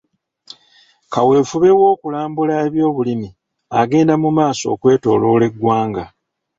Kaweefube w'okulambula eby'obulimi agenda mu maaso okwetooloola eggwanga.